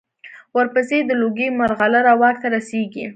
ورپسې د لوګي مرغلره واک ته رسېږي.